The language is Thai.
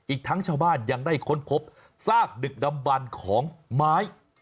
อีกทั้งชาวบ้านยังได้ค้นพบซากดึกดำบันของไม้